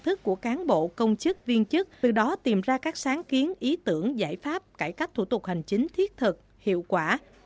nhận thức của cán bộ công chức viên chức từ đó tìm ra các sáng kiến ý tưởng giải pháp cải cách thủ tục hành chính thiết thực hiệu quả